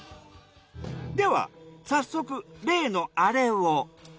では早速例のアレを。